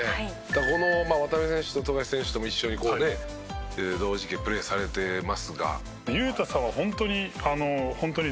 この渡邊選手と富樫選手とも一緒にこうね同時期プレーされてますが。